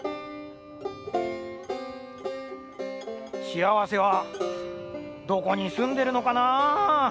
しあわせはどこにすんでるのかなぁ。